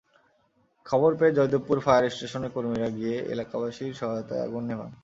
খবর পেয়ে জয়দেবপুর ফায়ার স্টেশনের কর্মীরা গিয়ে এলাকাবাসীর সহায়তায় আগুন নেভান।